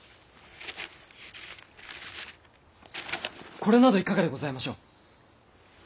これなどいかがでございましょう？